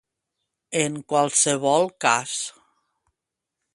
En qualsevol cas.